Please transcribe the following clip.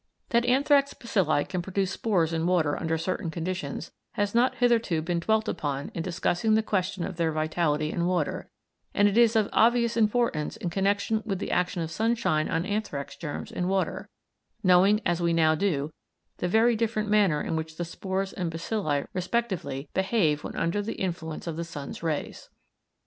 That anthrax bacilli can produce spores in water under certain conditions has not hitherto been dwelt upon in discussing the question of their vitality in water, and it is of obvious importance in connection with the action of sunshine on anthrax germs in water, knowing as we now do the very different manner in which the spores and bacilli respectively behave when under the influence of the sun's rays.